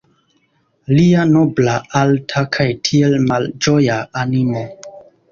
Lia nobla, alta kaj tiel malĝoja animo.